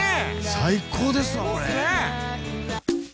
最高ですわこれ。